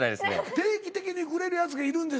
定期的にくれるやつがいるんです